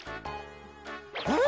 うん？